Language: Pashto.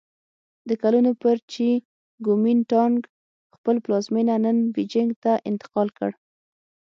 د کلونو پر چې ګومین ټانګ خپل پلازمېنه نن بیجینګ ته انتقال کړ.